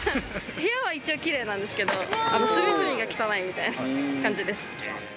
部屋は一応キレイなんですけど隅々が汚いみたいな感じです。